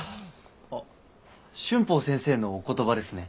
あっ春峰先生のお言葉ですね。